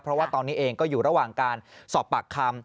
เพราะว่าตอนนี้เองก็อยู่ระหว่างการสอบปากคำ